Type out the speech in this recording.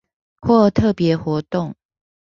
或特別活動